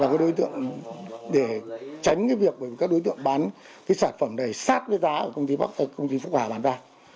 và có đối tượng để tránh cái việc các đối tượng bán cái sản phẩm này sát với giá của công ty phúc hà bán ra